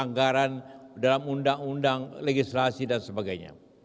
dan juga dalam anggaran dalam undang undang legislasi dan sebagainya